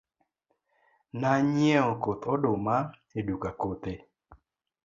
Na nyiewo koth oduma e duka kothe.